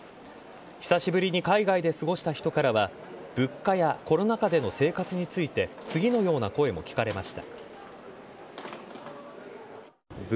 久しぶりに海外で過ごした人からは物価やコロナ禍での生活について次のような声も聞かれました。